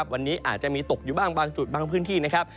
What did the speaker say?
วันนี้อาจจะมีตกอยู่บ้างบางจุดบางพื้นที่นะครับ